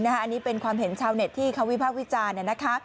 อันนี้เป็นความเห็นชาวเน็ตที่เขาวิพากษ์วิจารณ์นะคะ